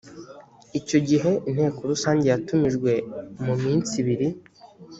icyo gihe inteko rusange yatumijwe mu minsi ibiri